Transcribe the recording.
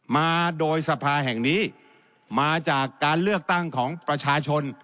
มาโดยสภาแห่งนี้มาจากการเลือกตั้งของประชาชน